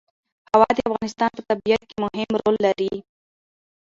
هوا د افغانستان په طبیعت کې مهم رول لري.